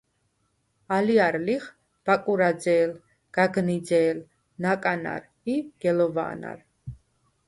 ალჲარ ლიხ: ბაკურაძე̄ლ, გაგნიძე̄ლ, ნაკანარ ი გელოვა̄ნარ.